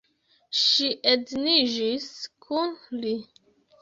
Ŝi edziniĝis kun li.